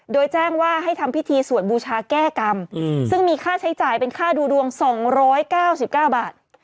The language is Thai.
โดยแจ้งว่าให้ทำพิธีสวดบูชาแก้กรรมซึ่งมีค่าใช้จ่ายเป็นค่าดูดวง๒๙๙บาท